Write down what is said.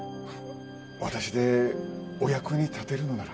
私でお役に立てるのなら。